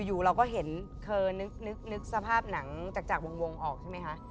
อยู่เราก็เห็นเคยนึกสภาพหนังจากวงออกใช่ไหมคะ